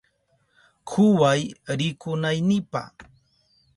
Kuway rikunaynipa.